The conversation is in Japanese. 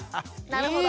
なるほど。